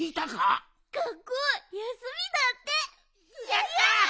やった！